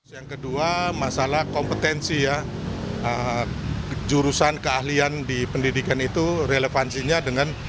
yang kedua masalah kompetensi ya jurusan keahlian di pendidikan itu relevansinya dengan